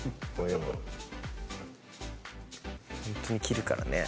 ホントに着るからね。